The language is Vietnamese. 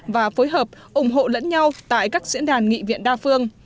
và phối hợp ủng hộ lẫn nhau tại các diễn đàn nghị viện đa phương